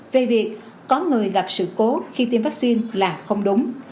về việc có người gặp sự cố khi tiêm vaccine là không đúng